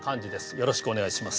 よろしくお願いします。